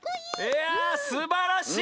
いやすばらしい。